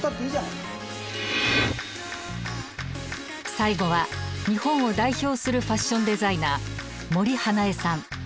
最後は日本を代表するファッションデザイナー森英恵さん。